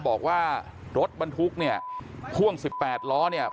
บอกว่ารถบรรทุกเนี่ยพ่วง๑๘ล้อเนี่ย